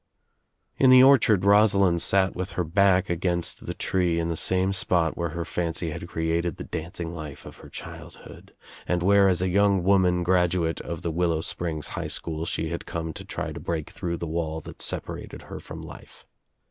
In the orchard Rosalind sat with her back against the tree jn the same spot where her fancy had created the dancing life of her childhood and where as a young woman graduate of the Willow Springs High School she bad come to try to break through the wall that separated her from life.